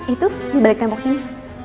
itu dibalik tembok sini